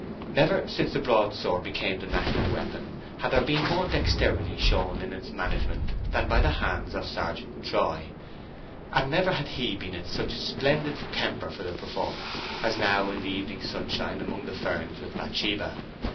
Never since the broadsword became the national weapon had there been more dexterity shown in its management than by the hands of Sergeant Troy, and never had he been in such splendid temper for the performance as now in the evening sunshine among the ferns with Bathsheba.